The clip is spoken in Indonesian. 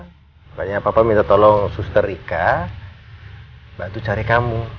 makanya papa minta tolong suster rika bantu cari kamu